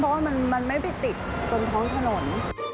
เพราะว่ามันไม่ไปติดตรงท้องถนน